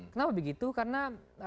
kenapa begitu karena